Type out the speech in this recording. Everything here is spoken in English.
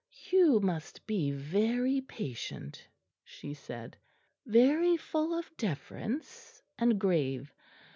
"You must be very patient," she said, "very full of deference and grave.